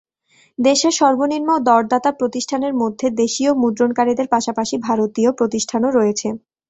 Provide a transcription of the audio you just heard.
দ্বিতীয় সর্বনিম্ন দরদাতা প্রতিষ্ঠানের মধ্যে দেশীয় মুদ্রণকারীদের পাশাপাশি ভারতীয় প্রতিষ্ঠানও রয়েছে।